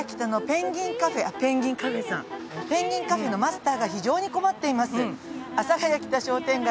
「ペンギンカフェのマスターが非常に困っています」